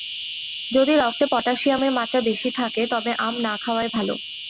যদি রক্তে পটাশিয়ামের মাত্রা বেশি থাকে তবে আম না খাওয়াই ভালো।